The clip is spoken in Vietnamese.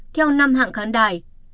theo năm hạng khán đài